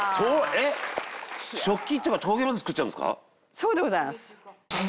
そうでございます。